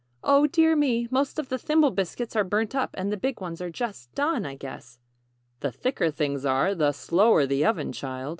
"Oh, dear me! Most of the Thimble Biscuits are burnt up and the big ones are just done, I guess!" "The thicker things are, the 'slower' the oven, child.